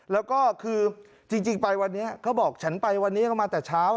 แล้วก็คือจริงไปวันนี้เขาบอกฉันไปวันนี้ก็มาแต่เช้า